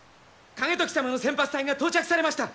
景時様の先発隊が到着されました。